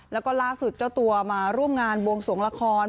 แล้วก็ล่าสุดเจ้าตัวมาร่วมงานบวงสวงละคร